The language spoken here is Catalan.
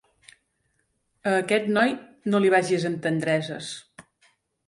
A aquest noi, no li vagis amb tendreses.